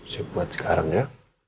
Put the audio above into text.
siap buat sekarang ya